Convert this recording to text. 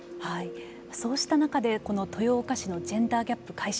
そうした中でこの豊岡市のジェンダーギャップ解消